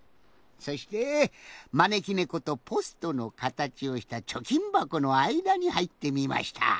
そしてまねきねことポストのかたちをしたちょきんばこのあいだにはいってみました。